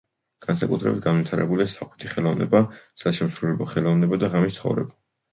განსაკუთრებით განვითარებულია სახვითი ხელოვნება, საშემსრულებლო ხელოვნება და ღამის ცხოვრება.